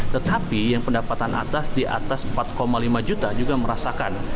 tetapi yang pendapatan atas di atas empat lima juta juga merasakan